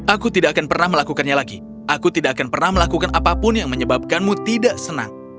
aku tidak akan pernah melakukannya lagi aku tidak akan pernah melakukan apapun yang menyebabkanmu tidak senang